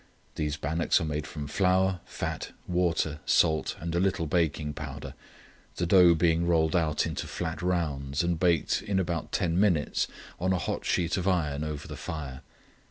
These bannocks are made from flour, fat, water, salt, and a little baking powder, the dough being rolled out into flat rounds and baked in about ten minutes on a hot sheet of iron over the fire.